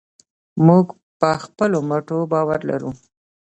موږ په خپلو مټو باور لرو.